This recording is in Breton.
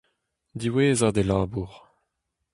Diwezhat e labour.